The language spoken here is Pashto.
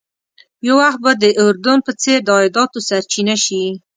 یو وخت به د اردن په څېر د عایداتو سرچینه شي.